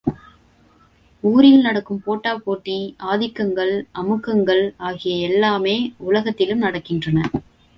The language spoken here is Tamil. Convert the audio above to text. ஊரில் நடக்கும் போட்டா போட்டி, ஆதிக்கங்கள், அமுக்கங்கள் ஆகிய எல்லாமே உலகத்திலும் நடக்கின்றன.